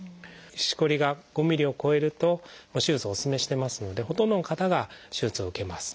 しこりが５ｍｍを超えるともう手術をお勧めしてますのでほとんどの方が手術を受けます。